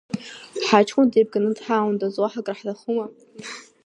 Ҳаҷкәын деибганы дҳаундаз, уаҳа краҳҭахума?